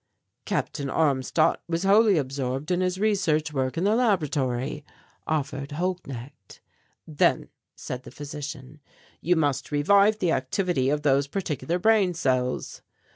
"Captain Armstadt was wholly absorbed in his research work in the laboratory," offered Holknecht. "Then," said the physician, "you must revive the activity of those particular brain cells."